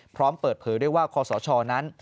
พร้อมเปิดเผยด้วยว่าคอสชนั้น